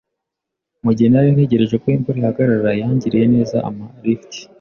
Mugihe nari ntegereje ko imvura ihagarara, yangiriye neza ampa lift.